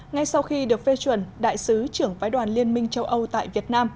ngay sau khi được phê chuẩn đại sứ trưởng phái đoàn liên minh châu âu tại việt nam